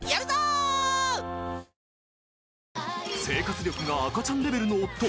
［生活力が赤ちゃんレベルの夫。